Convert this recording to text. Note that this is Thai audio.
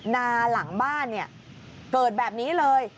นาหลังบ้านเนี่ยเกิดแบบนี้เลย